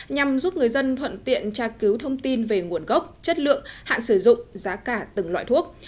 nhằm giúp người dân thuận tiện tra cứu thông tin về nguồn gốc chất lượng hạn sử dụng giá cả từng loại thuốc